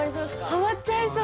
ハマっちゃいそう。